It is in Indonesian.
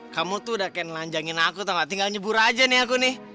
kamu tuh udah kayak nelanjangin aku gak tinggal nyebur aja nih aku nih